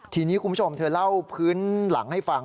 ทีนี้คุณผู้ชมเธอเล่าพื้นหลังให้ฟัง